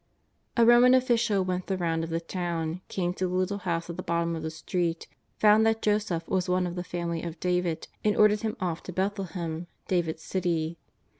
A Roman official went the round of the town, came to the little house at the bottom of the street, found that Joseph was one of the family of David, and ordered him off to Bethlehem, David's city.